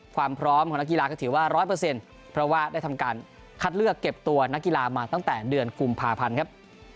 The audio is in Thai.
ความพร้อมของนักกีฬาก็ถือว่า๑๐๐เพราะว่าได้ทำการคัดเลือกเก็บตัวนักกีฬามาตั้งแต่เดือนกุมภาพันธ์ครับ